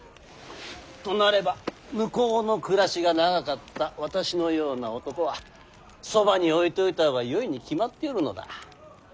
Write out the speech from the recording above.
となれば向こうの暮らしが長かった私のような男はそばに置いておいた方がよいに決まっておるのだ。